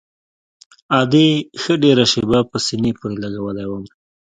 ادې ښه ډېره شېبه په سينې پورې لګولى وم.